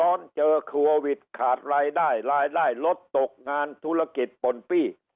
ตอนเจอโควิดขาดรายได้รดตกงานธุรกิจป่นปี